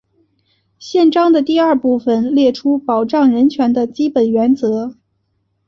宪章的第二部分列出保障人权的基本原则。